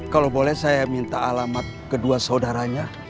kalau boleh saya minta alamat kedua saudaranya